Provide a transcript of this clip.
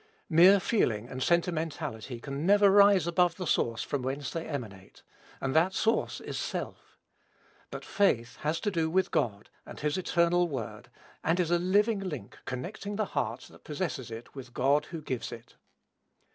Mere feeling and sentimentality can never rise above the source from whence they emanate; and that source is self; but faith has to do with God and his eternal word, and is a living link, connecting the heart that possesses it with God who gives it.